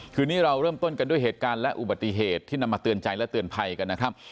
คืนนี้เราเริ่มต้นกันด้วยเหตุการณ์และอุบัติเหตุที่นำมาเตือนใจและเตือนภัยกันนะครับ